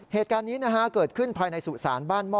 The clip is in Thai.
เหตุการณ์นี้เกิดขึ้นภายในสุสานบ้านหม้อ